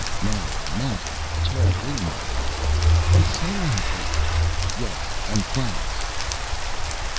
"Now a mountain, a tall blue mountain." "With snow on the peak." "Yes, and clouds...."